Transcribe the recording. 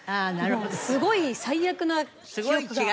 すごい最悪な記憶が。